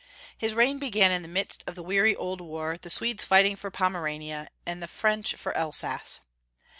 His reign began in the midst of the weary old war, the Swedes fighting for Pomerania, and the French for Elsass.